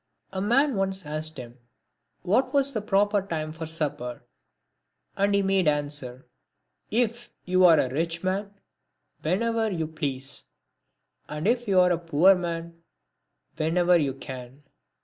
A man once asked him what was the proper time for supper, and he made answer, " If you are a rich man, whenever you please ; and if you are a poor man, whenever you can."